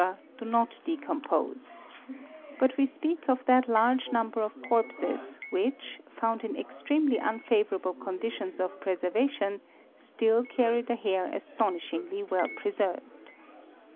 do not decompose ; but we speak of that large number of corpses which, found in extremely un favourable conditions of preservation, still carry the hair astonishingly' well preserved.